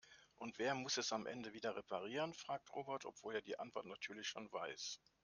Und wer muss es am Ende wieder reparieren?, fragt Robert, obwohl er die Antwort natürlich schon weiß.